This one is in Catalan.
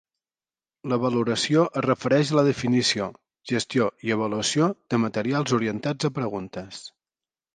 La valoració es refereix a la definició, gestió i avaluació de materials orientats a preguntes.